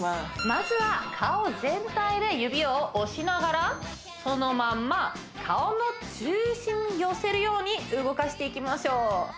まずは顔全体で指を押しながらそのまんま顔の中心に寄せるように動かしていきましょう